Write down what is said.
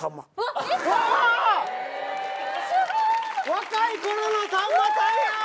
若いころのさんまさんや。